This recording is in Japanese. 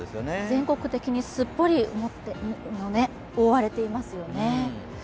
全国的にすっぽり覆われていますよね。